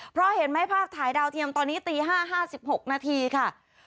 เพราะเห็นไหมภาพถ่ายดาวเทียมตอนนี้ตี๕๕๖นาทีค่ะ